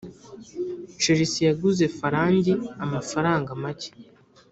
chelsea yaguze firangi amafaranga make